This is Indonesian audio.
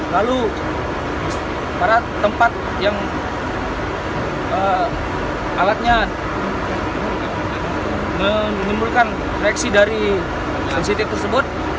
lalu pada tempat yang alatnya menimbulkan reaksi dari sensitif tersebut